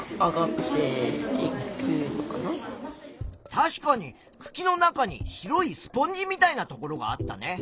確かにくきの中に白いスポンジみたいなところがあったね。